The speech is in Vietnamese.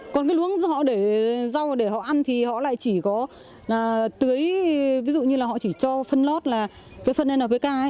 còn cái luống rau để họ ăn thì họ lại chỉ có tưới ví dụ như là họ chỉ cho phân lót là phân npk